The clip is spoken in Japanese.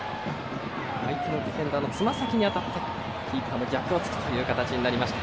相手のディフェンダーのつま先に当たってキーパーの逆をつく形になりました。